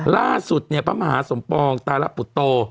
ล่าสุดพระมหาสมปองตายแล้วปุฏโต